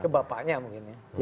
ke bapaknya mungkin ya